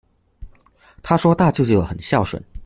她说大舅舅很孝顺